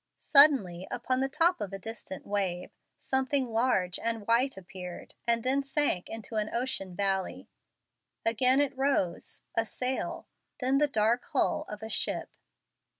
Suddenly, upon the top of a distant wave, something large and white appeared, and then sank into an ocean valley. Again it rose a sail, then the dark hull of a ship.